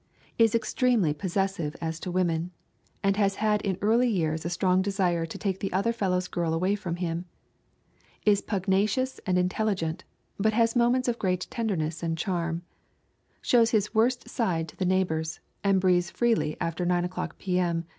Is extremely possessive as to women, and has had in early years a strong desire to take the other fellow's girl away from him. Is pugnacious and intelligent, but has moments of great tenderness and charm. Shows his worst side to the neighbors and breathes freely after nine o'clock P.M.